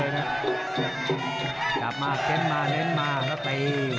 กลับมาเค้นมาเน้นมาแล้วตี